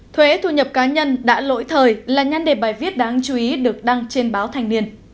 thuế thu nhập cá nhân đã lỗi thời là nhan đề bài viết đáng chú ý được đăng trên báo thành niên